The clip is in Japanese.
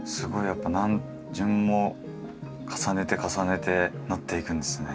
やっぱ何巡も重ねて重ねて塗っていくんですね。